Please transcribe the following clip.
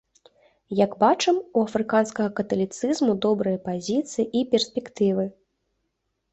Як бачым, у афрыканскага каталіцызму добрыя пазіцыі і перспектывы.